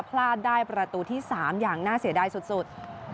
พลาดได้ประตูที่๓อย่างน่าเสียดายสุด